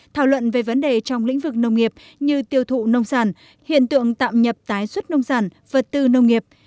thảo luận về vấn đề trong lĩnh vực nông nghiệp như tiêu thụ nông sản hiện tượng tạm nhập tái xuất nông sản vật tư nông nghiệp